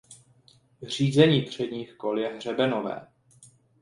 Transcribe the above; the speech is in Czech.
Řízení předních kol je hřebenové.